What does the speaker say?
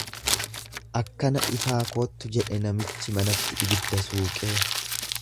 Akkana ifaa koottu jedhe namichi manatti ibidda suuqee.